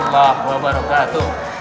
waalaikumsalam warahmatullahi wabarakatuh